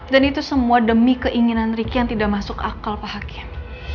dan itu semua demi keinginan riki yang tidak masuk akal pak hakim